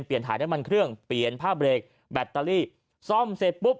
ถ่ายน้ำมันเครื่องเปลี่ยนผ้าเบรกแบตเตอรี่ซ่อมเสร็จปุ๊บ